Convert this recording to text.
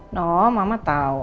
no mama tau